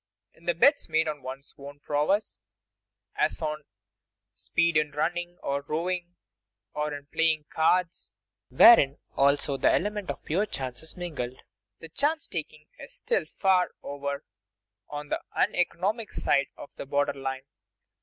In the bets made on one's own prowess, as on speed in running or rowing, or in playing cards (wherein also the element of pure chance is mingled) the chance taking is still far over on the uneconomic side of the border line.